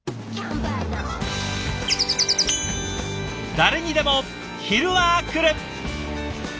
誰にでも昼はくる。